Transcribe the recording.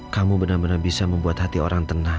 kamu benar benar bisa membuat hati orang tenang